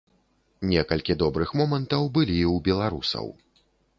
Некалькі добрых момантаў былі і ў беларусаў.